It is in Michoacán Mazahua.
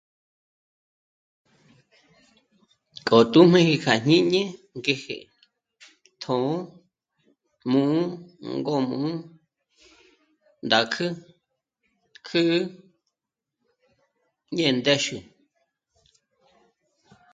K'o tū̀jmiji kja jñíni ngéje tjṓ'ō, jmū́'ū, ngójmū́'ū, ndákjü, kjü̂'ü ñé' ndéxi